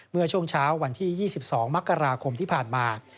เมื่อช่วงเช้าวันที่๒๒มกราคมที่ผ่านมา